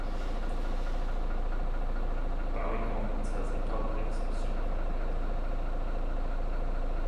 Intercepts were rare, with only a few instances of eye-to-eye contact with Soviet aircraft.